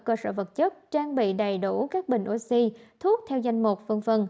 cơ sở vật chất trang bị đầy đủ các bệnh oxy thuốc theo danh một v v